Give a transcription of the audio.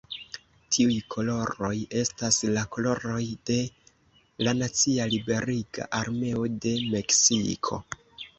Tiuj koloroj estas la koloroj de la nacia liberiga armeo de Meksiko.